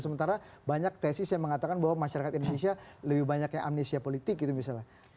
sementara banyak tesis yang mengatakan bahwa masyarakat indonesia lebih banyak yang amnesia politik gitu misalnya